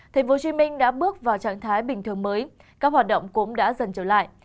tp hcm đã bước vào trạng thái bình thường mới các hoạt động cũng đã dần trở lại